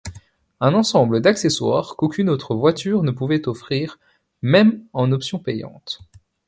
Un ensemble d'accessoires qu'aucune autre voiture ne pouvait offrir, même en option payante.